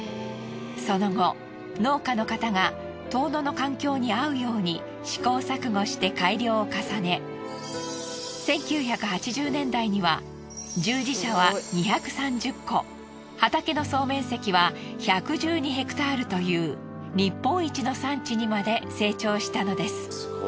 その後農家の方が遠野の環境に合うように試行錯誤して改良を重ね１９８０年代には従事者は２３０戸畑の総面積は１１２ｈａという日本一の産地にまで成長したのです。